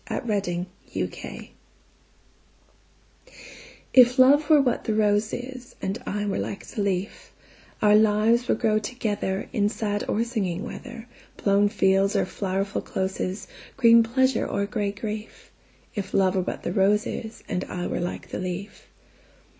A Match IF love were what the rose is, And I were like the leaf, Our lives would grow togetherIn sad or singing weather, Blown fields or flowerful closes, Green pleasure or gray grief; If love were what the rose is, And I were like the leaf.